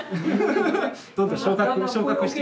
・どんどん昇格昇格して。